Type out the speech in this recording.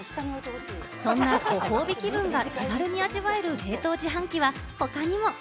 そんなご褒美気分が手軽に味わえる冷凍自販機は他にも。